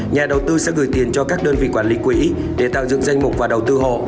nhà đầu tư sẽ gửi tiền cho các đơn vị quản lý quỹ để tạo dựng danh mục và đầu tư hộ